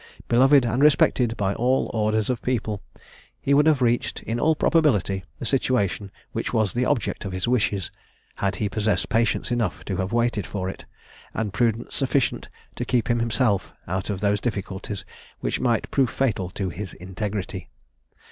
Beloved and respected by all orders of people, he would have reached, in all probability, the situation which was the object of his wishes, had he possessed patience enough to have waited for it, and prudence sufficient to keep himself out of those difficulties which might prove fatal to his integrity.